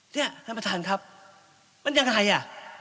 เนี่ยท่านประธานครับมันยังไงอ่ะ